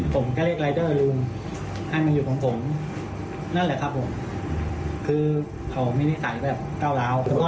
ผมเห็นว่าเขามันมีเรื่องกับตาเจริญ